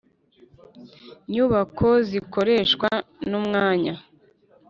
Nyubako zikoreshwa n umwanya